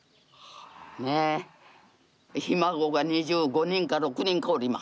ひ孫が２５人か２６人かおります。